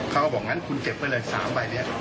เขาบอกงั้นคุณเก็บไว้เลย๓ใบนี้